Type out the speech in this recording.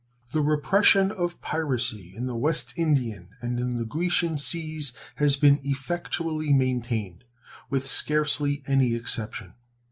The repression of piracy in the West Indian and in the Grecian seas has been effectually maintained, with scarcely any exception.